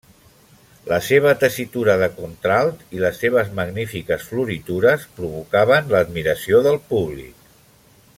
La seva tessitura de contralt i les seves magnífiques floritures provocaven l'admiració del públic.